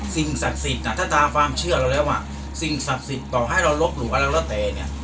สิ่งศักดิ์สิทธิ์ถ้าตามความเชื่อเราแล้วสิ่งศักดิ์สิทธิ์ต่อให้เราลบหลู่อะไรแล้วแต่เนี่ย